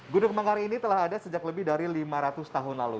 gudeg mengkari ini telah ada sejak lebih dari lima ratus tahun lalu